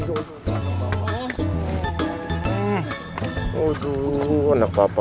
aduh aduh aduh